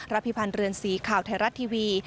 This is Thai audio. พิพันธ์เรือนสีข่าวไทยรัฐทีวี